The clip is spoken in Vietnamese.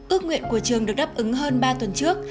ước nguyện của trường được đáp ứng hơn ba tuần trước